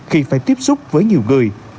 khi phải tiếp xúc với nhiều người